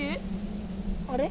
あれ？